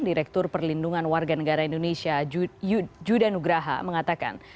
direktur perlindungan warga negara indonesia judah nugraha mengatakan